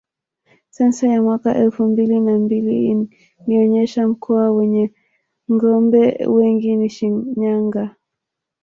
Sensa ya mwaka elfu mbili na mbili ilionesha mkoa wenye ngombe wengi ni Shinyanga